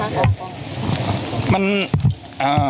มันไม่ใช่ข้อเท็จจริงใช่ไหมคะครับ